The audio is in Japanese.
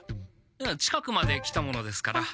近くまで来たものですから。